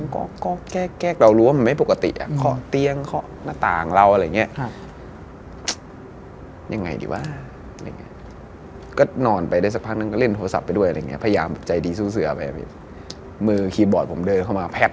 ก็กะว่าวันนี้เดินเข้าไปเฮ้ยพี่แบบ